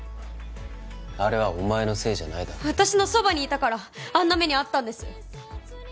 あれはお前のせいじゃないだろ私のそばにいたからあんな目に遭ったんです